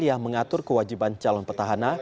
yang mengatur kewajiban calon petahana